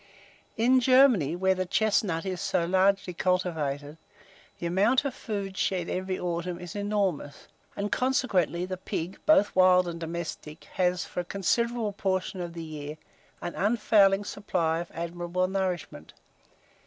In Germany, where the chestnut is so largely cultivated, the amount of food shed every autumn is enormous; and consequently the pig, both wild and domestic, has, for a considerable portion of the year, an unfailing supply of admirable nourishment.